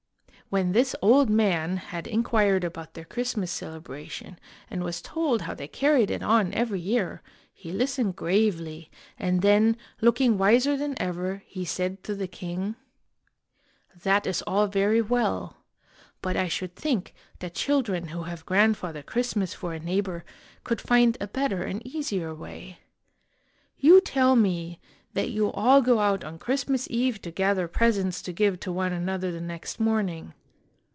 When this old man had inquired about their Christ mas celebration, and was told how they carried it on every year, he listened gravely, and then, looking wiser than ever, he said to the king: " That is all very well, but I should think that children who have Grandfather Christmas for a neighbor could find a better and easier way. You tell me that you all go out on Christmas Eve to gather presents to give to one another the next morning.